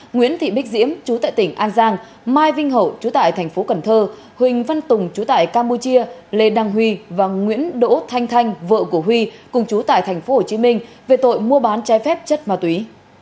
nguyễn thị bích diễm chú tại tỉnh an giang mai vinh hậu chú tại thành phố cần thơ huỳnh văn tùng chú tại campuchia lê đăng huy và nguyễn đỗ thanh thanh vợ của huy cùng chú tại thành phố hồ chí minh về tội mua bán chai phép chất ma túy